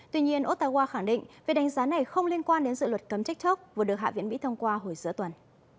tuy nhiên ottawa khẳng định việc đánh giá này không liên quan đến dự luật cấm tiktok vừa được hạ viện mỹ thông qua hồi giữa tuần